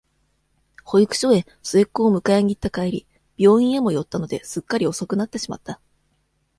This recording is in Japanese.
保育所へ、末っ子を迎えにいった帰り、病院へも寄ったので、すっかり遅くなってしまった。